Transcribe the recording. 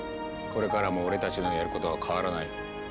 これからも俺たちのやることは変わらない。